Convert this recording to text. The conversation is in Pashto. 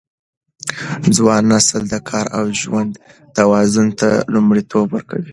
ځوان نسل د کار او ژوند توازن ته لومړیتوب ورکوي.